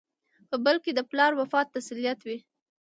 په بل کې یې د پلار وفات تسلیت وي.